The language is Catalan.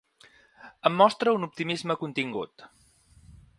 Em mostra un optimisme contingut.